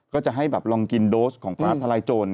ก็จะให้ลองกินโดสของฟ้าทลายโจร